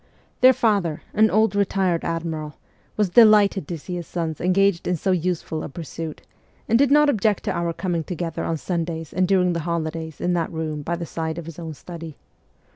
Their father, an old retired admiral, was delighted to see his sons engaged in so useful a pursuit, and did not object to our coming together on Sundays and during the holidays in that room by the side of his own study.